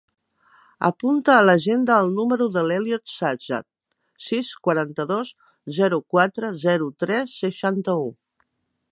Apunta a l'agenda el número de l'Elliot Shahzad: sis, quaranta-dos, zero, quatre, zero, tres, seixanta-u.